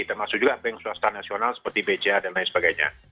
termasuk juga yang swasta nasional seperti bca dan lain sebagainya